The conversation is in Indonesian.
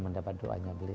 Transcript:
mendapat doanya beliau